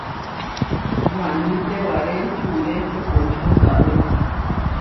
Waní tewaré čure kokočió tawé.